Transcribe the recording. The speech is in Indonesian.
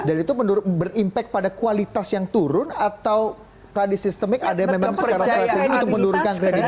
dan itu berimpek pada kualitas yang turun atau tadi sistemik ada yang memang secara terakhir itu menurunkan kredit